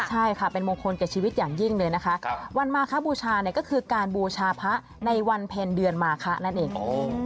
ใช่ค่ะเป็นมงคลแก่ชีวิตอย่างยิ่งเลยนะคะวันมาคบูชาเนี่ยก็คือการบูชาพระในวันเพ็ญเดือนมาคะนั่นเอง